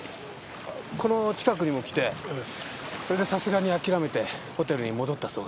この近くにも来てそれでさすがに諦めてホテルに戻ったそうです。